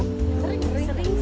sering sering sih